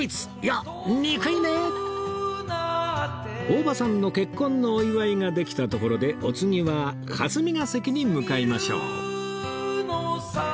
大場さんの結婚のお祝いができたところでお次は霞が関に向かいましょう